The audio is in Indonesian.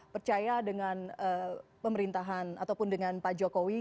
percaya dengan pemerintahan ataupun dengan pak jokowi